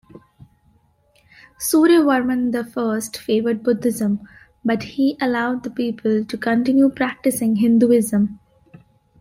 Suryavarman the First favored Buddhism but he allowed the people to continue practising Hinduism.